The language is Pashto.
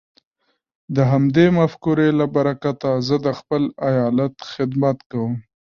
د همدې مفکورې له برکته زه د خپل ايالت خدمت کوم.